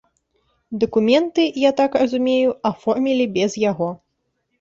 Дакументы, я так разумею, аформілі без яго.